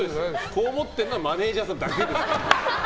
こう思ってるのはマネジャーさんだけですから。